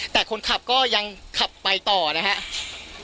แต่คนขับก็ยังขับไปต่อนะครับ